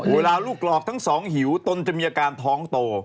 เวลาลูกหลอกทั้งสองหิวตนจะมีอาการท้องโต